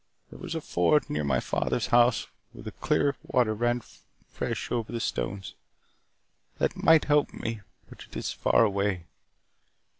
There was a ford near my father's house where the clear water ran fresh over the stones. That might help me. But it is far away.